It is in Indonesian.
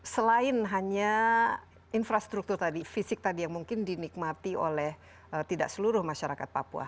selain hanya infrastruktur tadi fisik tadi yang mungkin dinikmati oleh tidak seluruh masyarakat papua